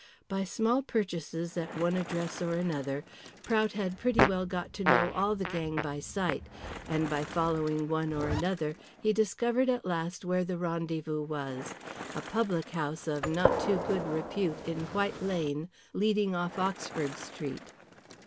By small purchases at one address or another Prout had pretty well got to know all the gang by sight, and by following one or another he discovered at last where the rendezvous was a public house of not too good repute in White Lane, leading off Oxford Street.